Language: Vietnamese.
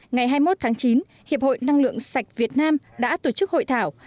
ngày hai mươi một tháng chín hiệp hội năng lượng sạch việt nam đã tổ chức hội thảo